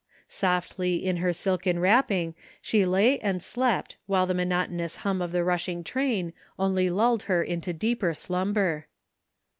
Softly in her silken wrapping she lay and slept while the monotonous hum of the rushing train only lulled her to deeper slumber.